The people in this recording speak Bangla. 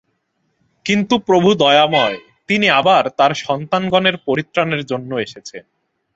কিন্তু প্রভু দয়াময়, তিনি আবার তাঁর সন্তানগণের পরিত্রাণের জন্য এসেছেন।